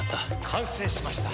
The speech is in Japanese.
完成しました。